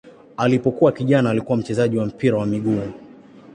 Alipokuwa kijana alikuwa mchezaji wa mpira wa miguu.